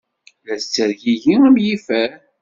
La tettergigi am yifer.